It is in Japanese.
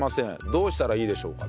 どうしたらいいでしょうか？